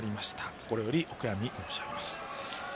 心よりお悔やみ申し上げます。